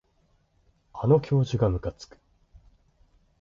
あの教授がむかつく